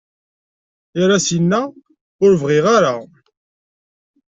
Irra-as, inna: Ur bɣiɣ ara.